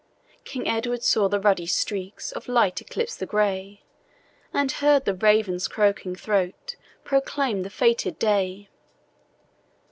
King Edward saw the ruddy streaks Of light eclipse the grey, And heard the raven's croaking throat Proclaim the fated day.